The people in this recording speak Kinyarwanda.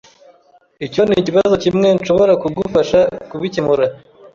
Icyo nikibazo kimwe nshobora kugufasha kubikemura.